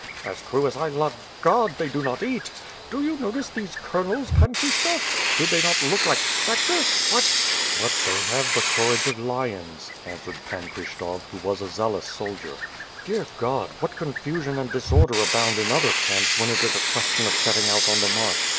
As true as I love God, they do not eat. Did you notice those Colonels, Pan Kryshtof? Did they not look like spectres? What?" "But they have the courage of lions," answered Pan Kryshtof, who was a zealous soldier. "Dear God! What con fusion and disorder abound in other camps when it is a ques tion of setting out on the march.